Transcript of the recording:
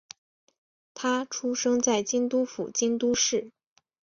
她出生在京都府京都市。